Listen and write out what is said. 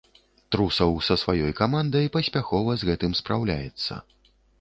Трусаў са сваёй камандай паспяхова з гэтым спраўляецца.